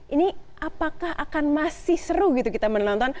ini apakah akan masih seru gitu kita menonton